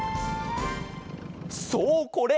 そうこれ！